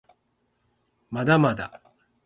まだまだ